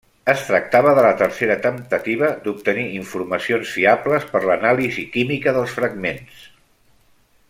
Es tractava de la tercera temptativa d'obtenir informacions fiables per l'anàlisi química dels fragments.